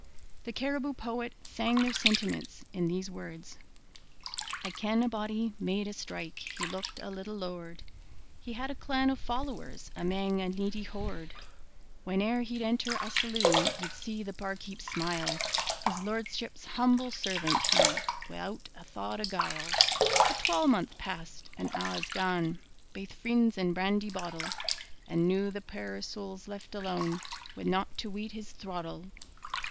The Cariboo poet sang their sentiments in these words: I ken a body made a strike. He looked a little lord. He had a clan o' followers Amang a needy horde. Whane'er he'd enter a saloon, You'd see the barkeep smile His lordship's humble servant he Wi'out a thought o' guile! A twalmonth passed an' a' is gane, Baith freends and brandy bottle! An' noo the puir soul's left alane Wi' nocht to weet his throttle!